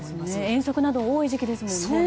遠足などが多い時期ですもんね。